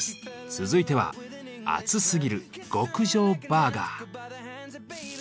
続いては「アツすぎる！極上バーガー」。